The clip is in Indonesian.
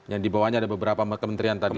yang dibawanya ada beberapa kementerian tadi